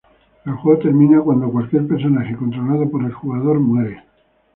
El juego termina si cualquier personaje controlado por el jugador muere.